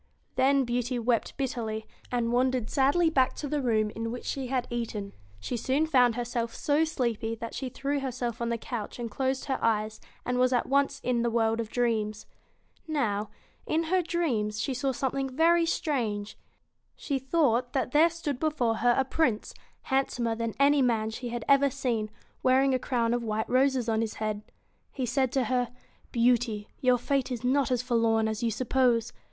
Then Beauty wept bitterly, and wandered sadly back to the room in which she had eaten. She soon found herself so sleepy that she threw her self on the couch and closed her eyes, and was at once in the world of dreams. Now, in her dreams, she saw something very strange. She thought that there stood before her a Prince, handsomer than any man she had ever BEAUTY seen, wearing: a crown of white roses on his head. BEAST He said to her: <Beaut y' y ur fate is not as forlorn as you suppose.